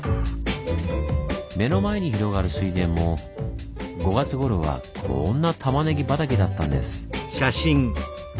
目の前に広がる水田も５月ごろはこんなたまねぎ畑だったんです。